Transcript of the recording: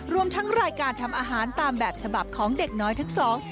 รวมทั้งรายการทำอาหารตามแบบฉบับของเด็กน้อยทั้งสอง